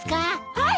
はい！